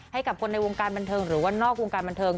ให้กับคนในวงการบันเทิงหรือว่านอกวงการบันเทิง